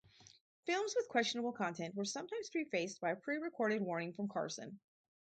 Films with questionable content were sometimes prefaced by a pre-recorded warning from Carson.